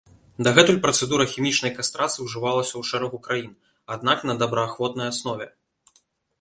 Дагэтуль працэдура хімічнай кастрацыі ўжывалася ў шэрагу краін, аднак на добраахвотнай аснове.